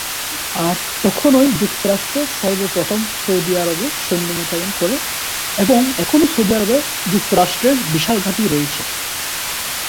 আর তখনই যুক্তরাষ্ট্র সর্বপ্রথম সৌদি আরবে সৈন্য মোতায়েন করে এবং এখনো সৌদি আরবে যুক্তরাষ্ট্রের বিশাল ঘাঁটি রয়েছে।